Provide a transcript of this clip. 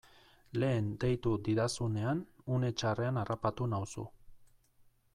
Lehen deitu didazunean une txarrean harrapatu nauzu.